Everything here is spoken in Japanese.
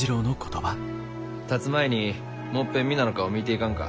たつ前にもっぺん皆の顔見て行かんか？